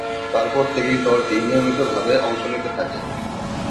তারপর থেকেই দলটি নিয়মিতভাবে অংশ নিতে থাকে।